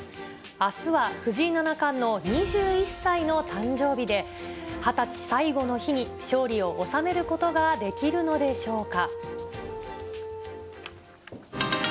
あすは藤井七冠の２１歳の誕生日で、２０歳最後の日に勝利を収めることができるのでしょうか。